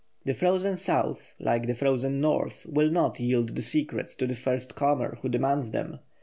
The Frozen South, like the Frozen North, will not yield its secrets to the first comer who demands them.